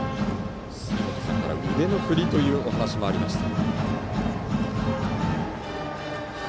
杉本さんから腕の振りというお話がありました。